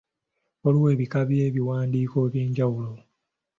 Waliwo ebika by'ebiwandiiko eby'enjawulo.